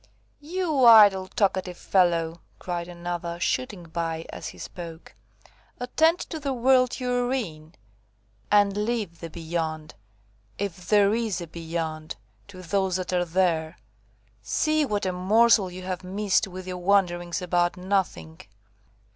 "You idle, talkative fellow," cried another, shooting by as he spoke, "attend to the world you are in, and leave the 'beyond,' if there is a 'beyond,' to those that are there. See what a morsel you have missed with your wonderings about nothing."